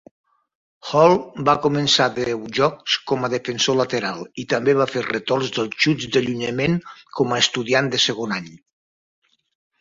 Hall va començar deu jocs com a defensor lateral i també va fer retorns dels xuts d'allunyament com a estudiant de segon any.